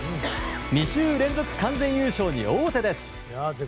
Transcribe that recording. ２週連続完全優勝に王手です！